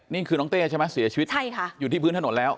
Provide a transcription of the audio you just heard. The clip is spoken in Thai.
นี่คือน้องเต้ใช่ไหมเสียชีวิตใช่ค่ะอยู่ที่พื้นถนนแล้ว